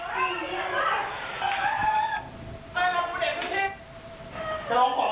ตรงนี้เคยปืนไปนะ